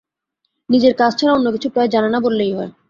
নিজের কাজ ছাড়া অন্য কিছু প্রায় জানে না বললেই হয়।